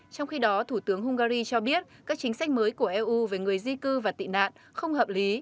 trong khi đó thủ tướng hungary cho biết các chính sách mới của eu về người di cư và tị nạn không hợp lý